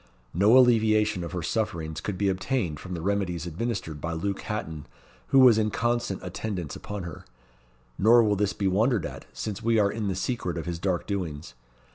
No alleviation of her sufferings could be obtained from the remedies administered by Luke Hatton, who was in constant attendance upon her; nor will this be wondered at, since we are in the secret of his dark doings.